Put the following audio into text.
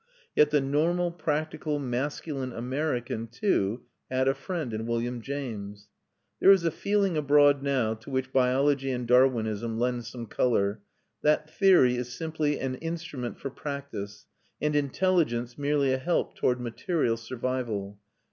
Yet the normal practical masculine American, too, had a friend in William James. There is a feeling abroad now, to which biology and Darwinism lend some colour, that theory is simply an instrument for practice, and intelligence merely a help toward material survival.